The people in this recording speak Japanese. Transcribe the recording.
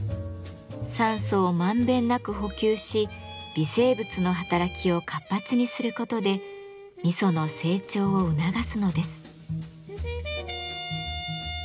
酸素をまんべんなく補給し微生物の働きを活発にすることで味噌の成長を促すのです。